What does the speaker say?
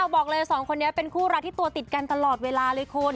บอกเลยสองคนนี้เป็นคู่รักที่ตัวติดกันตลอดเวลาเลยคุณ